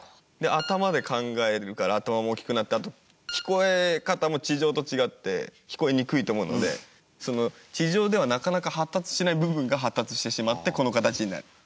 で頭で考えるから頭も大きくなってあと聞こえ方も地上と違って聞こえにくいと思うので地上ではなかなか発達しない部分が発達してしまってこの形になる。